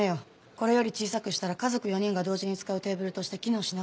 これより小さくしたら家族４人が同時に使うテーブルとして機能しなくなる。